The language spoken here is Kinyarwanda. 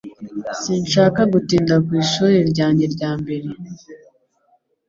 Sinshaka gutinda ku ishuri ryanjye rya mbere